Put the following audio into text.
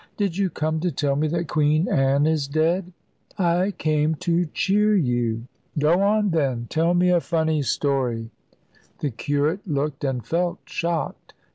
Did you come to tell me that Queen Anne is dead?" "I came to cheer you." "Go on, then. Tell me a funny story." The curate looked and felt shocked.